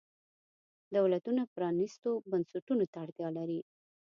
دولتونه پرانیستو بنسټونو ته اړتیا لري.